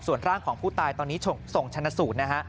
ส่วนร่างของผู้ตายตอนนี้ส่งชนะสูตรนะฮะ